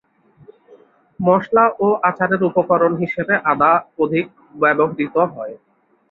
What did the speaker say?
মসলা ও আচারের উপকরণ হিসেবে আদা অধিক ব্যবহূত হয়।